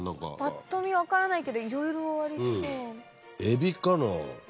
ぱっと見分からないけどいろいろありそう。